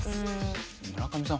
村上さん